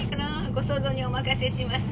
ご想像にお任せします。